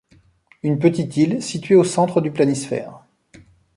Une petite île située au centre du planisphère.